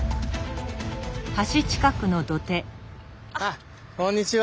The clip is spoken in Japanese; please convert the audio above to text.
あこんにちは。